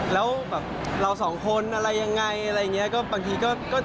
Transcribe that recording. แล้วค่อยไปปรึกษาเรื่องเลิกงามยามดีอีกทีนึง